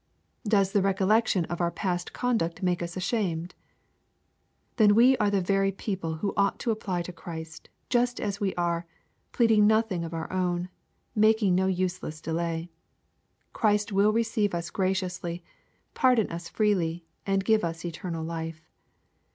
Does the recollection of our past conduct make us ashamed ? Then w^e are the very people who ought to apply to Christ, just as we are, pleading nothing of our own, making no useless delay. Christ will receive us gra ciously, pardon us freely, and give us eternal life.